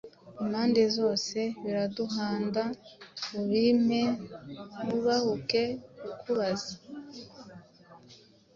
Impande zose biraduhanda Ubimpe nubahuke kukubaza